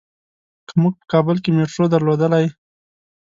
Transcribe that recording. که مونږ په کابل کې مېټرو درلودلای.